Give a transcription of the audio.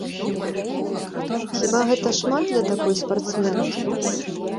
Хіба гэта шмат для такой спартсменкі?